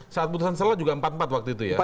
saat putusan selah juga empat empat waktu itu ya